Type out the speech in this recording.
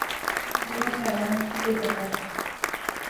دوہا تہاڑا لنگتھا کوئی پتہ نیں